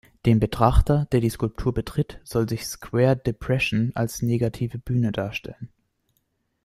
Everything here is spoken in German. Dem Betrachter, der die Skulptur betritt, soll sich Square Depression als negative Bühne darstellen.